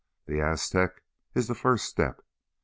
The Aztec is the first step."